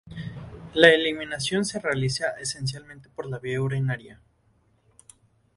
La eliminación se realiza esencialmente por vía urinaria.